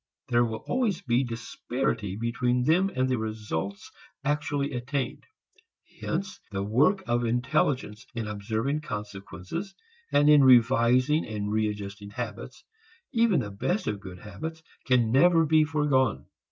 There will always be disparity between them and the results actually attained. Hence the work of intelligence in observing consequences and in revising and readjusting habits, even the best of good habits, can never be foregone.